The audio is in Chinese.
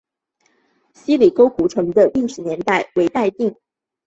希里沟古城的历史年代为待定。